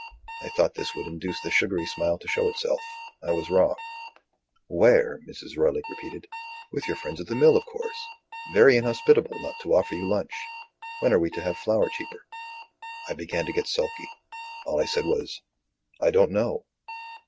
I thought this would induce the sugary smile to show itself. I was wrong. "Where?" Mrs. Roylake repeated. "With your friends at the mill of course. Very inhospitable not to offer you lunch. When are we to have flour cheaper?" I began to get sulky. All I said was: "I don't know."